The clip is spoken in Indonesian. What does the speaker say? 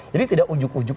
jadi tidak ujug ujug